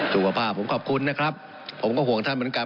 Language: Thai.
สุขภาพผมขอบคุณนะครับผมก็ห่วงท่านเหมือนกัน